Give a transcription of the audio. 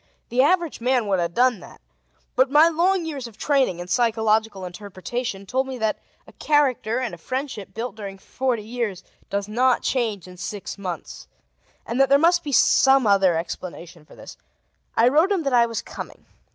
The average man would have done that, but my long years of training in psychological interpretation told me that a character and a friendship built during forty years does not change in six months, and that there must be some other explanation for this. I wrote him that I was coming.